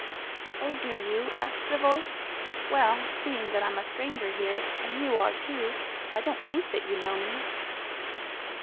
"Oh, do you?" asked the voice. "Well, seeing that I'm a stranger here, and you are too, I don't think that you know me."